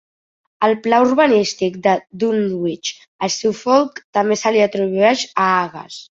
El pla urbanístic de Dunwich a Suffolk també se li atribueix a Agas.